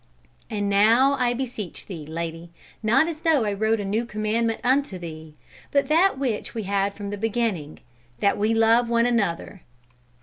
"And now I beseech thee, lady, not as though I wrote a new commandment unto thee, but that which we had from the beginning, that we love one another."